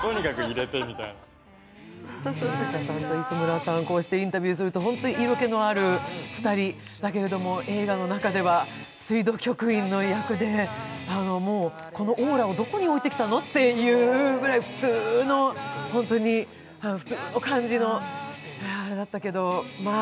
磯村さん、こうしてインタビューしてみると本当に色気のある２人だけれども、映画の中では、水道局員の役でもう、このオーラをどこに置いてきたのというくらい、普通の感じのだったけどまあ